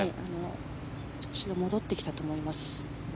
調子が戻ってきたと思います。